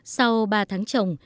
sau ba tháng trồng